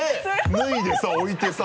脱いでさ置いてさ。